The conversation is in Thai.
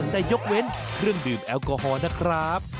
แต่ยกเว้นเครื่องดื่มแอลกอฮอล์นะครับ